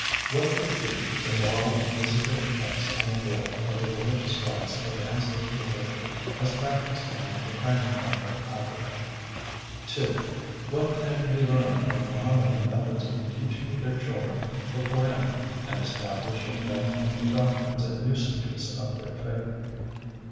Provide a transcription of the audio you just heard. What would be the moral and physical effects on a boy, of the religious rites of ancestor worship as practiced among the Fang tribe of Africa? 2. What can we learn from Mohammedan methods in teaching their children the Koran, and establishing them in the doctrines and usages of their faith?